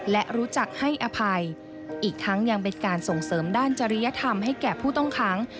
และรู้จักให้อภัยอีกทั้งยังเป็นการส่งเสริมด้านจริยธรรมให้แก่ผู้ต้องค้าง